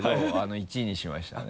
１にしましたね。